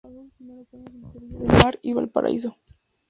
Pasó sus primeros años entre Viña del Mar y Valparaíso.